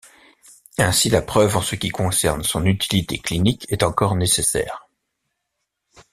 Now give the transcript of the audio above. Ainsi, la preuve en ce qui concerne son utilité clinique est encore nécessaire.